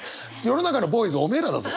世の中のボーイズおめえらだぞ。